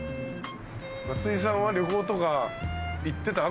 松井さんは旅行とか行ってた？